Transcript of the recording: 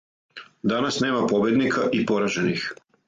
Данас нема победника и поражених.